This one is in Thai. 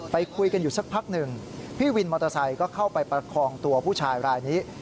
คุยกันอยู่สักพักหนึ่งพี่วินมอเตอร์ไซค์ก็เข้าไปประคองตัวผู้ชายรายนี้